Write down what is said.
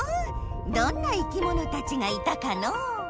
どんな生きものたちがいたかのう？